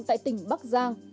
tại tỉnh bắc giang